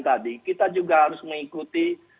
tadi kita juga harus mengikuti